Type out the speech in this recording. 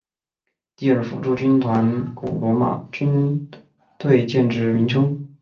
第二辅助军团古罗马军队建制名称。